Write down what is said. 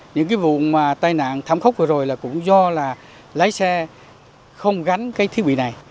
những cái vụ mà tai nạn thảm khốc vừa rồi là cũng do là lái xe không gắn cái thiết bị này